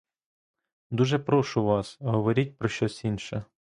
Дуже прошу вас, говоріть про щось інше.